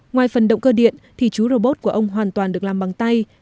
ngoài phần động cơ điện thì chú robot của ông hoàn toàn được làm bằng tay